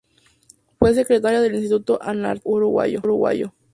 Fue secretaria del Instituto Antártico Uruguayo.